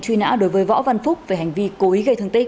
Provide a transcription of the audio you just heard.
truy nã đối với võ văn phúc về hành vi cố ý gây thương tích